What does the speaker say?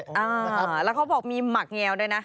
แล้วเขาบอกมีหมักแงวด้วยนะ